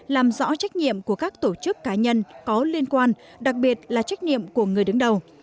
làm rõ trách nhiệm của các tổ chức cá nhân có liên quan đặc biệt là trách nhiệm của người đứng đầu